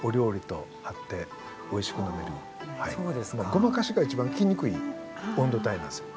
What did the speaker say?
ごまかしが一番ききにくい温度帯なんですよ。